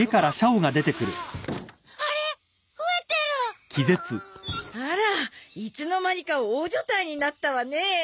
うぅぅあらいつの間にか大所帯になったわね